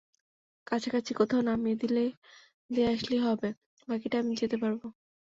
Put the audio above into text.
কাছাকাছি কোথাও নামিয়ে দিয়ে আসলেই হবে, বাকিটা আমি যেতে পারবো।